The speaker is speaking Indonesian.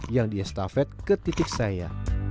yang diestafet ke titik saya